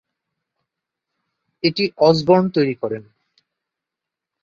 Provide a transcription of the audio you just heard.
এটি অসবর্ন তৈরী করেন।